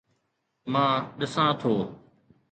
مان ڏسان ٿو